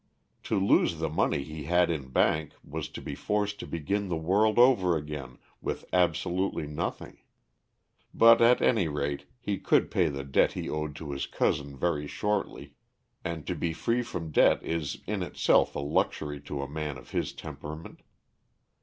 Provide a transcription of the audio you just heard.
To lose the money he had in bank was to be forced to begin the world over again with absolutely nothing; but at any rate he could pay the debt he owed to his cousin very shortly, and to be free from debt is in itself a luxury to a man of his temperament.